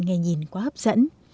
ngày nhìn quá hấp dẫn